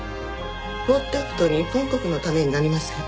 放っておくと日本国のためになりません。